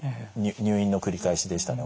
入院の繰り返しでしたね